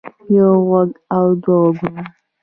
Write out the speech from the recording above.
يو غوږ او دوه غوږونه